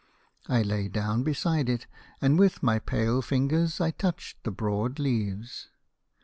I lay down beside it, and with my pale fingers I touched the broad leaves.